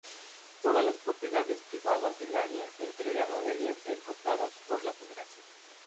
Todas las propiedades privadas del área entregada debían ser compradas por la Federación.